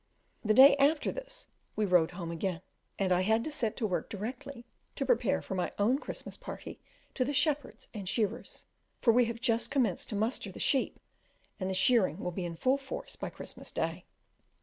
The day after this we rode home again, and I had to set to work directly to prepare for my own Christmas party to the shepherds and shearers, for we have just commenced to muster the sheep, and the shearing will be in full force by Christmas Day.